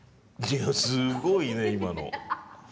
すごいね今の。